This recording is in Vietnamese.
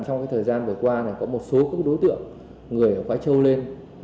trong thời gian vừa qua có một số đối tượng người ở khói châu lên